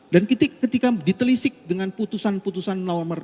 dan ketika ditelisik dengan putusan putusan nomor enam puluh tujuh